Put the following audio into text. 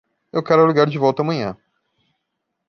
Eu quero ligar de volta amanhã.